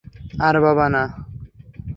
আর বাবা নয়।